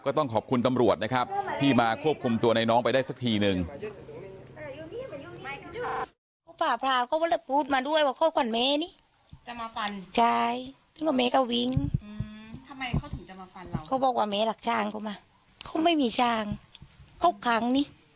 ก็ต้องขอบคุณตำรวจนะครับที่มาควบคุมตัวในน้องไปได้สักทีนึง